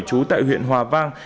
trú tại huyện hòa vang